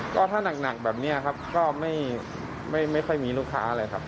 ก็ถ้าหนักแบบนี้ครับก็ไม่ค่อยมีลูกค้าอะไรครับ